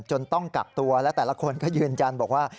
ต้องกักตัวและแต่ละคนก็ยืนยันบอกว่า